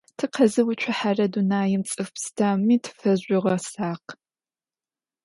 Tıkhezıutsuhere dunaim ts'ıf psteumi tıfezjüğesakh.